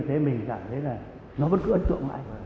thế mình cảm thấy là nó vẫn cứ ấn tượng mãi